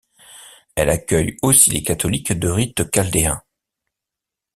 Elle accueille aussi les catholiques de rite chaldéen.